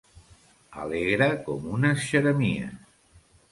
Alegre com unes xeremies.